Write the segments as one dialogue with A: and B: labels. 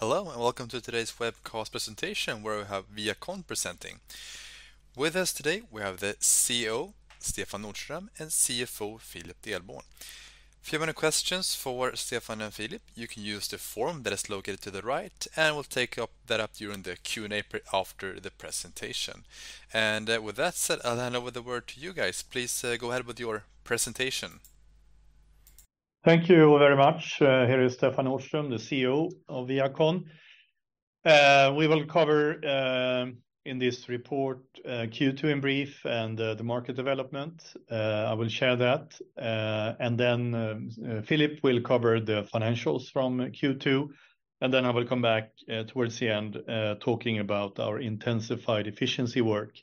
A: Hello, and welcome to today's webcast presentation, where we have ViaCon presenting. With us today, we have the CEO, Stefan Nordström, and CFO, Philip Delborn. If you have any questions for Stefan and Philip, you can use the form that is located to the right, and we'll take up that during the Q&A after the presentation. And, with that said, I'll hand over the word to you guys. Please, go ahead with your presentation.
B: Thank you very much. Here is Stefan Nordström, the CEO of ViaCon. We will cover, in this report, Q2 in brief and, the market development. I will share that. And then, Philip will cover the financials from Q2, and then I will come back, towards the end, talking about our intensified efficiency work,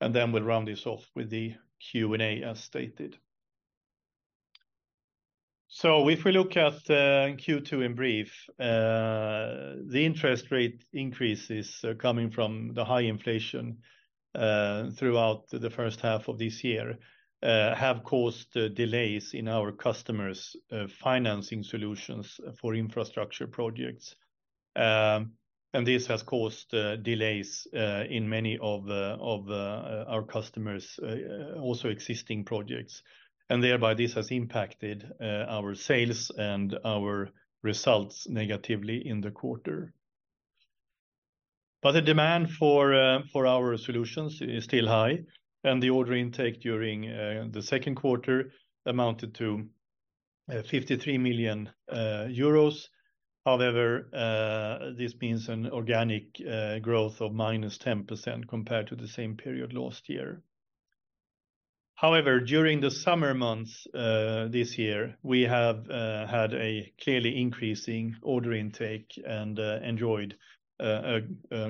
B: and then we'll round this off with the Q&A, as stated. So if we look at, Q2 in brief, the interest rate increases coming from the high inflation, throughout the first half of this year, have caused delays in our customers', financing solutions for infrastructure projects. And this has caused, delays, in many of the, our customers, also existing projects, and thereby this has impacted, our sales and our results negatively in the quarter. But the demand for for our solutions is still high, and the order intake during the second quarter amounted to EUR 53 million. However, this means an organic growth of -10% compared to the same period last year. However, during the summer months this year, we have had a clearly increasing order intake and enjoyed a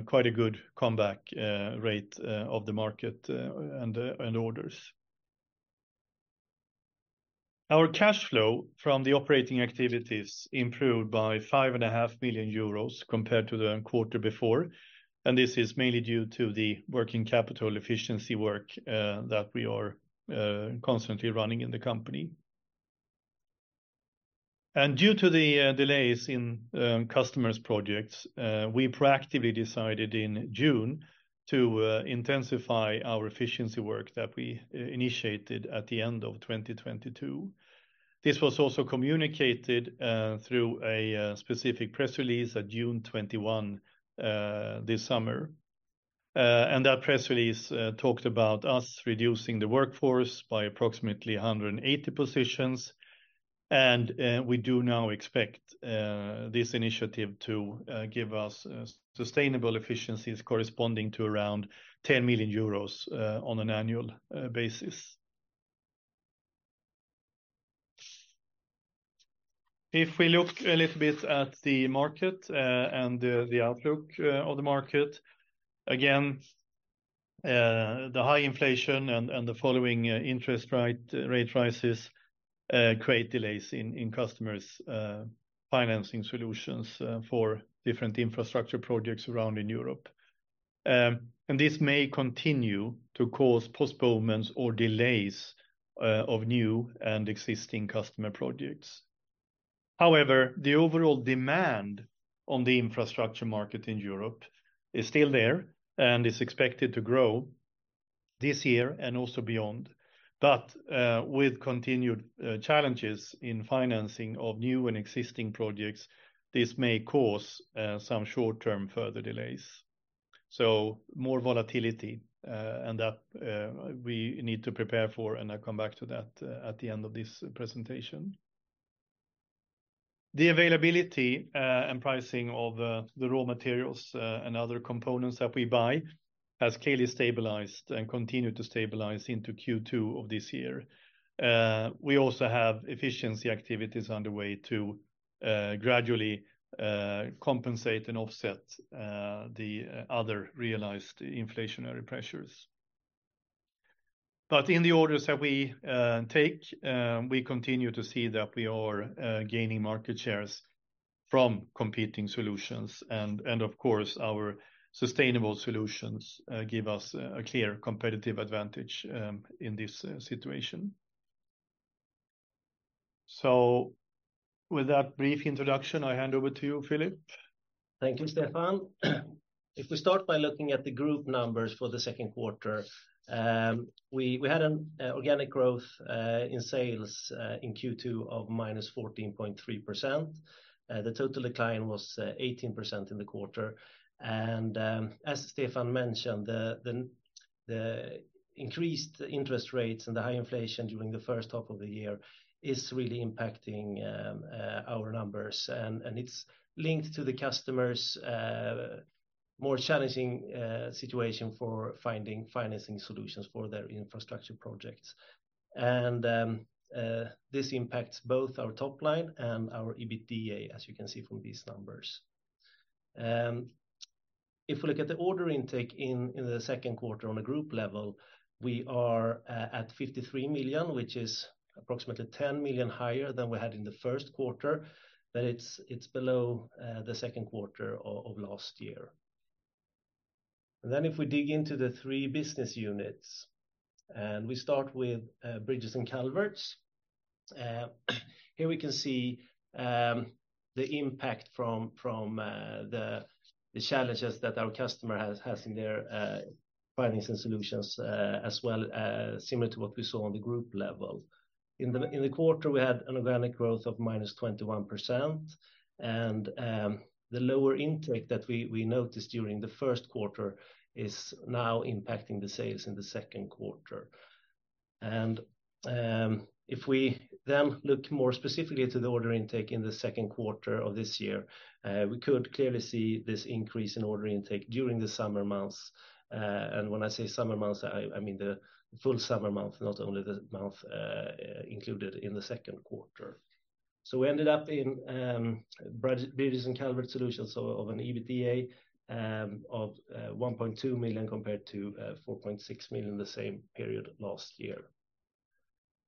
B: quite a good comeback rate of the market and and orders. Our cash flow from the operating activities improved by 5.5 million euros compared to the quarter before, and this is mainly due to the working capital efficiency work that we are constantly running in the company. Due to the delays in customers' projects, we proactively decided in June to intensify our efficiency work that we initiated at the end of 2022. This was also communicated through a specific press release at June 21 this summer. That press release talked about us reducing the workforce by approximately 180 positions, and we do now expect this initiative to give us sustainable efficiencies corresponding to around 10 million euros on an annual basis. If we look a little bit at the market and the outlook of the market, again, the high inflation and the following interest rate rises create delays in customers' financing solutions for different infrastructure projects around in Europe. This may continue to cause postponements or delays of new and existing customer projects. However, the overall demand on the infrastructure market in Europe is still there and is expected to grow this year and also beyond. But with continued challenges in financing of new and existing projects, this may cause some short-term further delays. So more volatility and that we need to prepare for, and I'll come back to that at the end of this presentation. The availability and pricing of the raw materials and other components that we buy has clearly stabilized and continued to stabilize into Q2 of this year. We also have efficiency activities underway to gradually compensate and offset the other realized inflationary pressures. But in the orders that we take, we continue to see that we are gaining market shares from competing solutions, and of course, our sustainable solutions give us a clear competitive advantage in this situation. So with that brief introduction, I hand over to you, Philip.
C: Thank you, Stefan. If we start by looking at the group numbers for the second quarter, we had an organic growth in sales in Q2 of -14.3%. The total decline was 18% in the quarter, and as Stefan mentioned, the increased interest rates and the high inflation during the first half of the year is really impacting our numbers. It's linked to the customers' more challenging situation for finding financing solutions for their infrastructure projects. This impacts both our top line and our EBITDA, as you can see from these numbers. If we look at the order intake in the second quarter on a group level, we are at 53 million, which is approximately 10 million higher than we had in the first quarter, but it's below the second quarter of last year. Then if we dig into the three business units, and we start with Bridges and Culverts. Here we can see the impact from the challenges that our customer has in their findings and solutions, as well similar to what we saw on the group level. In the quarter, we had an organic growth of -21%, and the lower intake that we noticed during the first quarter is now impacting the sales in the second quarter. If we then look more specifically to the order intake in the second quarter of this year, we could clearly see this increase in order intake during the summer months. When I say summer months, I mean the full summer months, not only the months included in the second quarter. We ended up in Bridges and Culverts Solutions of an EBITDA of 1.2 million compared to 4.6 million in the same period last year.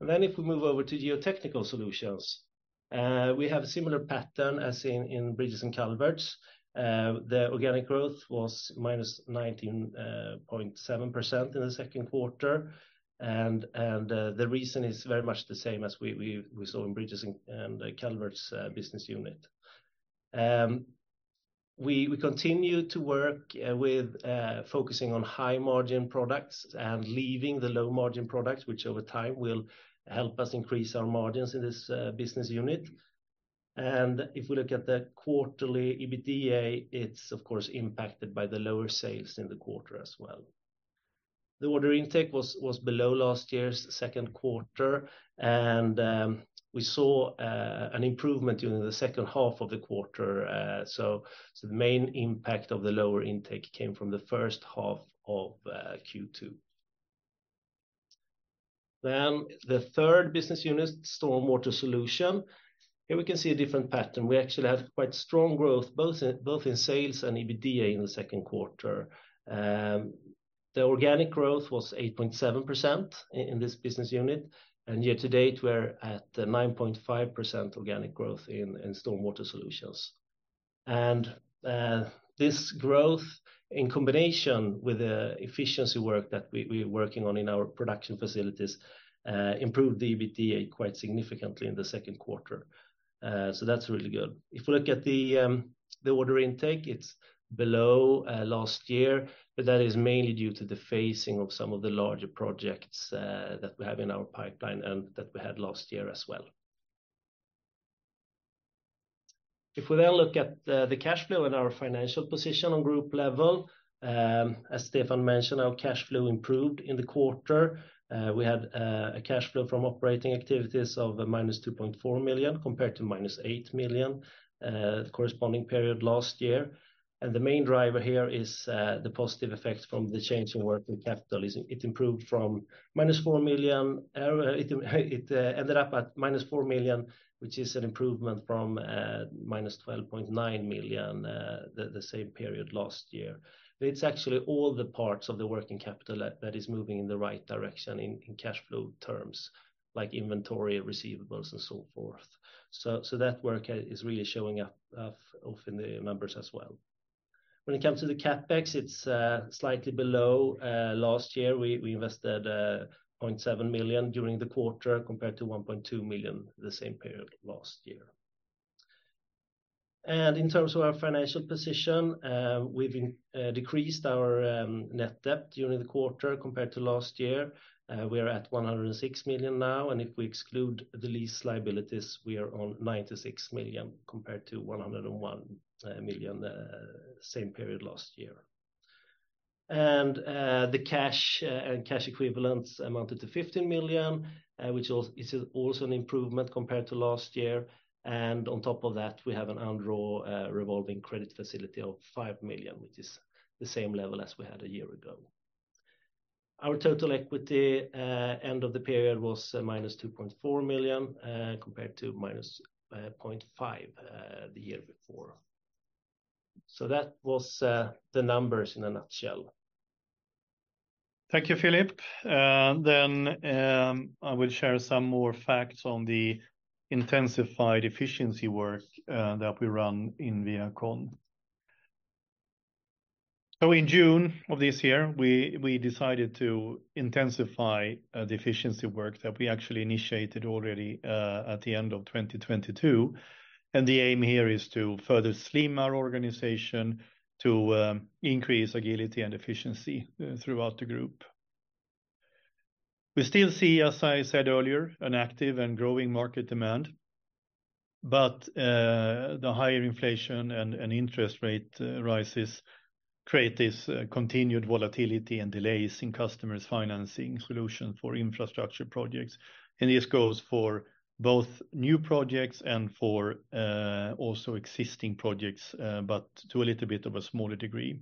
C: Then if we move over to Geotechnical Solutions, we have a similar pattern as in Bridges and Culverts. The organic growth was -19.7% in the second quarter, and the reason is very much the same as we saw in Bridges and Culverts business unit. We continue to work with focusing on high-margin products and leaving the low-margin products, which over time will help us increase our margins in this business unit. And if we look at the quarterly EBITDA, it's of course impacted by the lower sales in the quarter as well. The order intake was below last year's second quarter, and we saw an improvement during the second half of the quarter. So the main impact of the lower intake came from the first half of Q2. Then the third business unit, Stormwater Solution, here we can see a different pattern. We actually had quite strong growth, both in sales and EBITDA in the second quarter. The organic growth was 8.7% in this business unit, and year to date, we're at 9.5% organic growth in Stormwater Solutions. And this growth, in combination with the efficiency work that we're working on in our production facilities, improved the EBITDA quite significantly in the second quarter. So that's really good. If we look at the order intake, it's below last year, but that is mainly due to the phasing of some of the larger projects that we have in our pipeline and that we had last year as well. If we then look at the cash flow and our financial position on group level, as Stefan mentioned, our cash flow improved in the quarter. We had a cash flow from operating activities of -2.4 million compared to -8 million the corresponding period last year. And the main driver here is the positive effect from the change in working capital. It improved from -4 million. It ended up at -4 million, which is an improvement from minus -12.9 million the same period last year. But it's actually all the parts of the working capital that is moving in the right direction in cash flow terms, like inventory, receivables, and so forth. That work is really showing up in the numbers as well. When it comes to the CapEx, it's slightly below last year. We invested 0.7 million during the quarter compared to 1.2 million the same period last year. And in terms of our financial position, we've decreased our net debt during the quarter compared to last year. We are at 106 million now, and if we exclude the lease liabilities, we are on 96 million compared to 101 million same period last year. And the cash and cash equivalents amounted to 15 million, which is also an improvement compared to last year. And on top of that, we have an undrawn revolving credit facility of 5 million, which is the same level as we had a year ago. Our total equity end of the period was -2.4 million compared to -0.5 million the year before. So that was the numbers in a nutshell.
B: Thank you, Philip. Then, I will share some more facts on the intensified efficiency work that we run in ViaCon. So in June of this year, we decided to intensify the efficiency work that we actually initiated already at the end of 2022. The aim here is to further slim our organization to increase agility and efficiency throughout the group. We still see, as I said earlier, an active and growing market demand, but the higher inflation and interest rate rises create this continued volatility and delays in customers' financing solutions for infrastructure projects. This goes for both new projects and for also existing projects, but to a little bit of a smaller degree.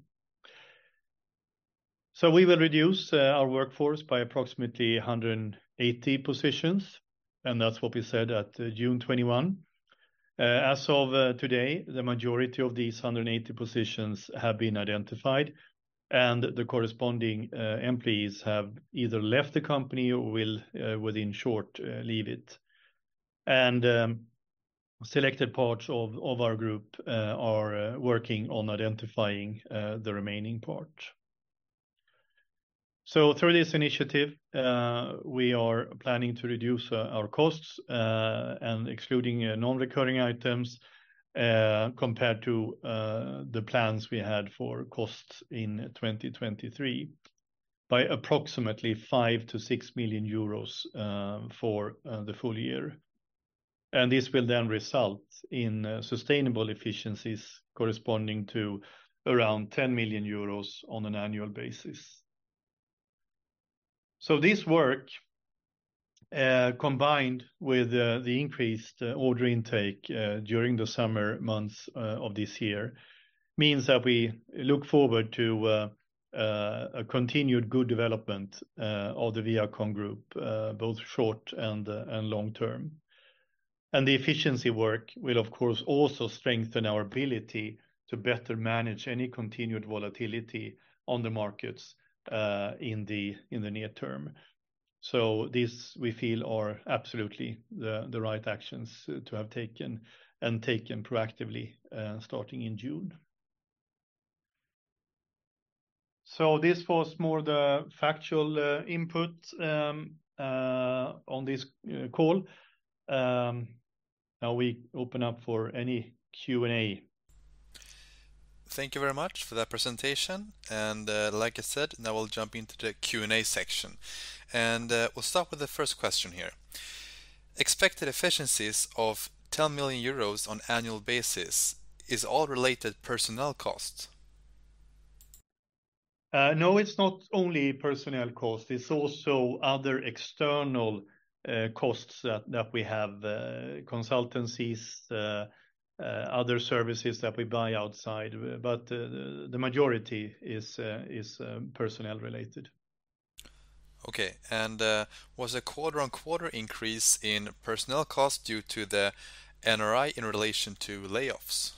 B: So we will reduce our workforce by approximately 180 positions, and that's what we said at June 21. As of today, the majority of these 180 positions have been identified, and the corresponding employees have either left the company or will within short leave it. Selected parts of our group are working on identifying the remaining part. So through this initiative, we are planning to reduce our costs, and excluding non-recurring items, compared to the plans we had for costs in 2023, by approximately 5 million-6 million euros for the full year. And this will then result in sustainable efficiencies corresponding to around 10 million euros on an annual basis. So this work, combined with the increased order intake during the summer months of this year, means that we look forward to a continued good development of the ViaCon Group, both short and long term. And the efficiency work will, of course, also strengthen our ability to better manage any continued volatility on the markets in the near term. So this, we feel, are absolutely the right actions to have taken and taken proactively, starting in June. So this was more the factual input on this call. Now we open up for any Q&A.
A: Thank you very much for that presentation. Like I said, now we'll jump into the Q&A section. We'll start with the first question here. Expected efficiencies of 10 million euros on annual basis is all related personnel costs?
B: No, it's not only personnel costs, it's also other external costs that we have, consultancies, other services that we buy outside. But the majority is personnel related.
A: Okay. And, was the quarter-on-quarter increase in personnel costs due to the NRI in relation to layoffs?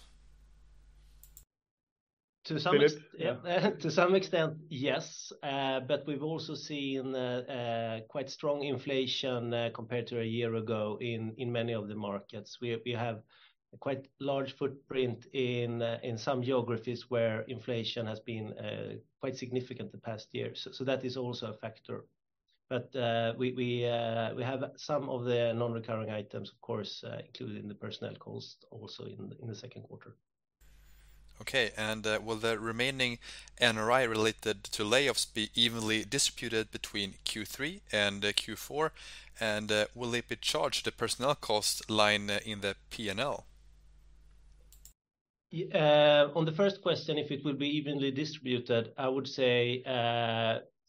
A: Philip, yeah.
C: To some extent, yes. But we've also seen quite strong inflation compared to a year ago in many of the markets. We have quite large footprint in some geographies where inflation has been quite significant the past year. So that is also a factor. But we have some of the non-recurring items, of course, included in the personnel cost also in the second quarter.
A: Okay. And, will the remaining NRI related to layoffs be evenly distributed between Q3 and Q4? And, will they be charged the personnel cost line in the P&L?
C: On the first question, if it will be evenly distributed, I would say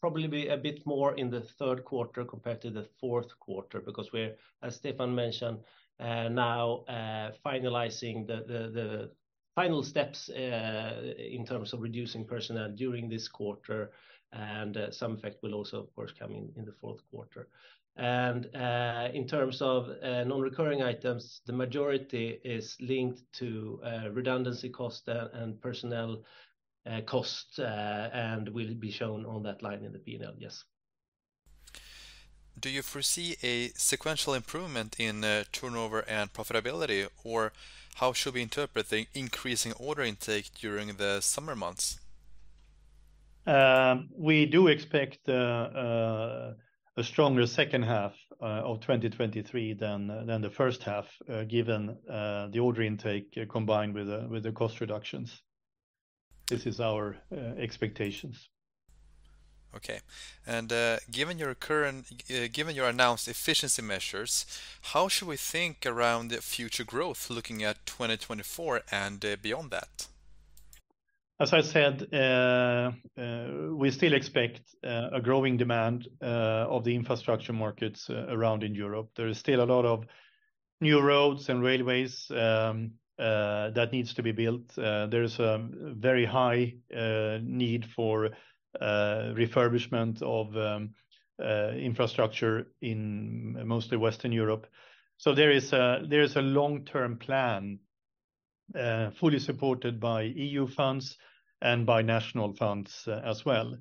C: probably be a bit more in the third quarter compared to the fourth quarter, because we're, as Stefan mentioned, now finalizing the final steps in terms of reducing personnel during this quarter, and some effect will also, of course, come in the fourth quarter. In terms of non-recurring items, the majority is linked to redundancy cost and personnel cost, and will be shown on that line in the P&L, yes.
A: Do you foresee a sequential improvement in turnover and profitability? Or how should we interpret the increasing order intake during the summer months?
B: We do expect a stronger second half of 2023 than the first half, given the order intake combined with the cost reductions. This is our expectations.
A: Okay. And, given your announced efficiency measures, how should we think around the future growth, looking at 2024 and beyond that?
B: As I said, we still expect a growing demand of the infrastructure markets around in Europe. There is still a lot of new roads and railways that needs to be built. There's a very high need for refurbishment of infrastructure in mostly Western Europe. So there is a long-term plan fully supported by EU funds and by national funds as well.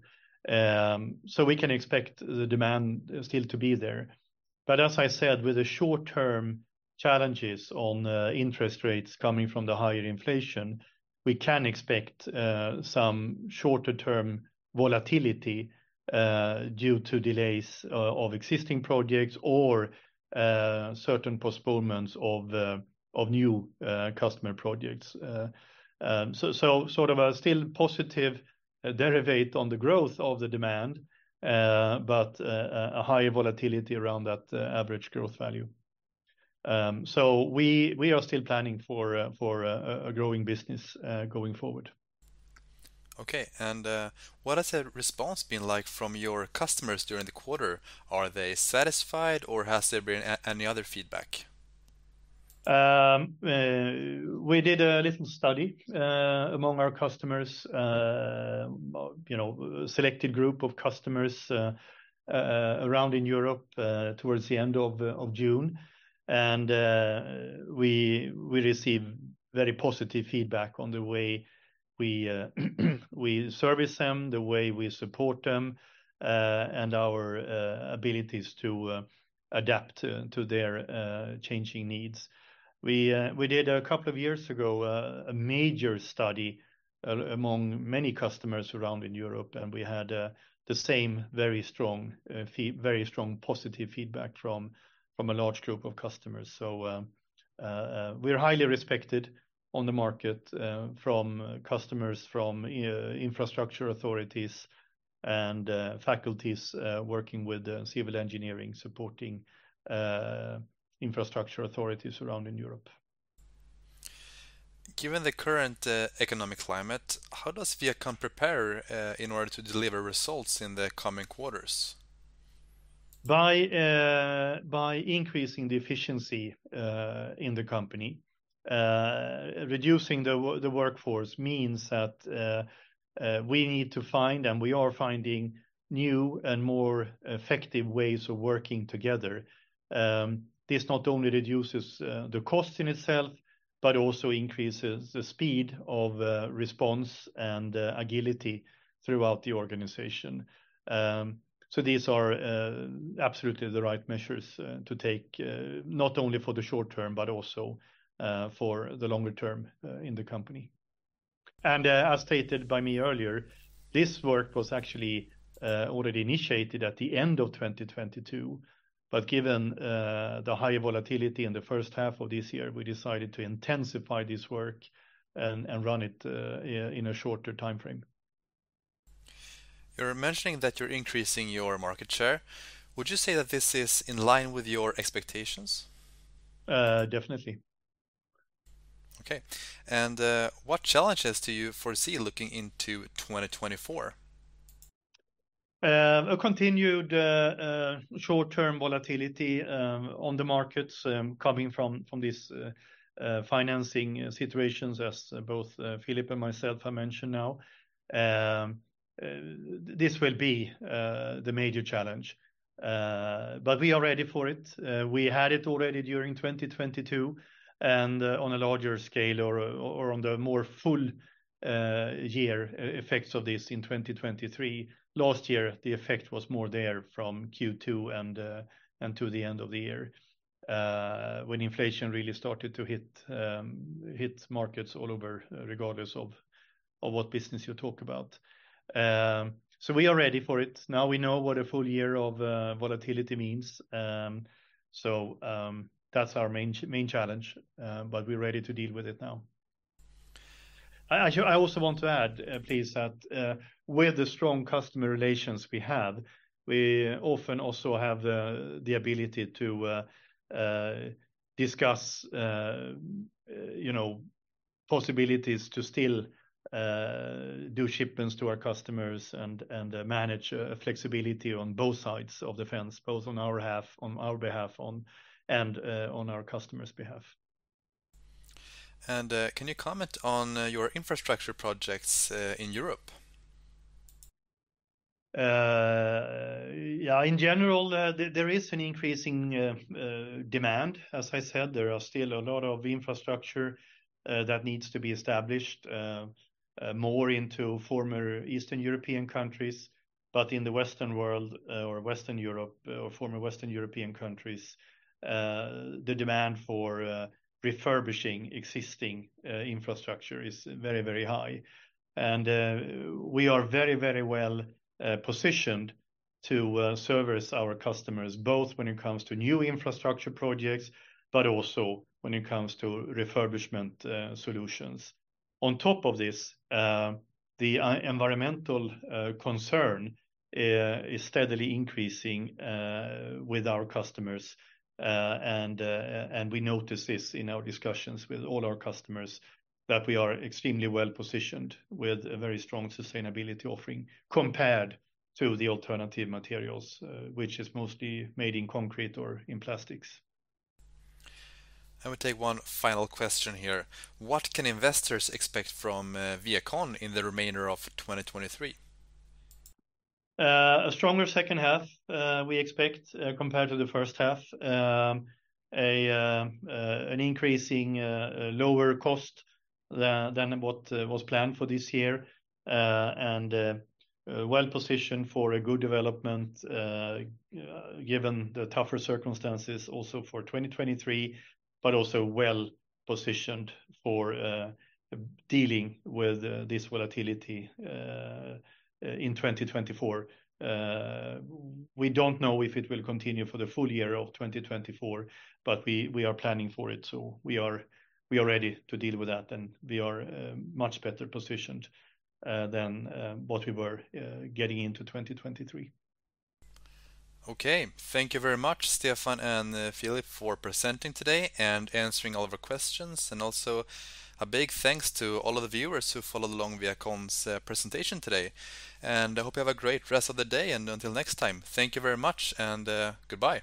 B: So we can expect the demand still to be there. But as I said, with the short-term challenges on interest rates coming from the higher inflation, we can expect some shorter-term volatility due to delays of existing projects or certain postponements of new customer projects. So, sort of still a positive derivative on the growth of the demand, but a higher volatility around that average growth value. So, we are still planning for a growing business going forward.
A: Okay. And, what has the response been like from your customers during the quarter? Are they satisfied, or has there been any other feedback?
B: We did a little study among our customers, you know, selected group of customers around in Europe towards the end of June. We received very positive feedback on the way we service them, the way we support them, and our abilities to adapt to their changing needs. We did a couple of years ago a major study among many customers around in Europe, and we had the same very strong positive feedback from a large group of customers. So, we're highly respected on the market from customers, from infrastructure authorities and faculties working with civil engineering, supporting infrastructure authorities around in Europe.
A: Given the current economic climate, how does ViaCon prepare in order to deliver results in the coming quarters?
B: By increasing the efficiency in the company. Reducing the workforce means that we need to find, and we are finding new and more effective ways of working together. This not only reduces the cost in itself, but also increases the speed of response and agility throughout the organization. So these are absolutely the right measures to take, not only for the short term, but also for the longer term in the company. As stated by me earlier, this work was actually already initiated at the end of 2022. Given the higher volatility in the first half of this year, we decided to intensify this work and run it in a shorter timeframe.
A: You're mentioning that you're increasing your market share. Would you say that this is in line with your expectations?
B: Uh, definitely.
A: Okay. And, what challenges do you foresee looking into 2024?
B: A continued short-term volatility on the markets coming from this financing situations as both Philip and myself have mentioned now. This will be the major challenge. But we are ready for it. We had it already during 2022, and on a larger scale or on the more full year effects of this in 2023. Last year, the effect was more there from Q2 and to the end of the year, when inflation really started to hit markets all over, regardless of what business you talk about. So we are ready for it. Now we know what a full year of volatility means. So that's our main challenge, but we're ready to deal with it now. I also want to add, please, that with the strong customer relations we have, we often also have the ability to discuss, you know, possibilities to still do shipments to our customers and manage flexibility on both sides of the fence, both on our half, on our behalf on, and on our customers' behalf.
A: Can you comment on your infrastructure projects in Europe?
B: Yeah, in general, there is an increasing demand. As I said, there are still a lot of infrastructure that needs to be established more into former Eastern European countries. But in the Western world, or Western Europe, or former Western European countries, the demand for refurbishing existing infrastructure is very, very high. And we are very, very well positioned to service our customers, both when it comes to new infrastructure projects, but also when it comes to refurbishment solutions. On top of this, the environmental concern is steadily increasing with our customers. We notice this in our discussions with all our customers, that we are extremely well-positioned with a very strong sustainability offering, compared to the alternative materials, which is mostly made in concrete or in plastics.
A: I will take one final question here: What can investors expect from ViaCon in the remainder of 2023?
B: A stronger second half, we expect, compared to the first half. An increasing, lower cost than what was planned for this year. And well-positioned for a good development, given the tougher circumstances also for 2023, but also well-positioned for dealing with this volatility in 2024. We don't know if it will continue for the full year of 2024, but we, we are planning for it. So we are, we are ready to deal with that, and we are, much better positioned, than what we were, getting into 2023.
A: Okay. Thank you very much, Stefan and Philip, for presenting today and answering all of our questions. Also, a big thanks to all of the viewers who followed along ViaCon's presentation today. I hope you have a great rest of the day, and until next time, thank you very much, and goodbye.